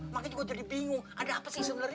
makanya juga jadi bingung ada apa sih sebenarnya